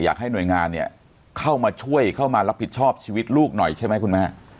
อยากให้หน่วยงานเนี่ยเข้ามาช่วยเข้ามารับผิดชอบชีวิตลูกหน่อยใช่ไหมคุณแม่